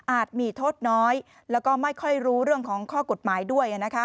มีโทษน้อยแล้วก็ไม่ค่อยรู้เรื่องของข้อกฎหมายด้วย